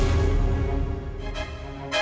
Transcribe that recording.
saya permisi ya